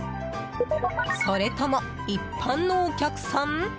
それとも一般のお客さん？